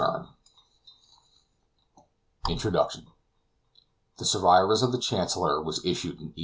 HORNE INTRODUCTION THE SURVIVORS OF THE CHANCELLOR was issued in 1875.